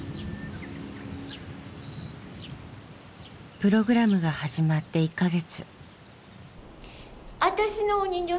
プログラムが始まって１か月。